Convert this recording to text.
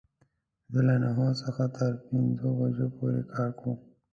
زه له نهو څخه تر پنځو بجو پوری کار کوم